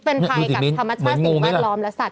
เป็นภัยกับธรรมชาติสิ่งแวดล้อมและสัตว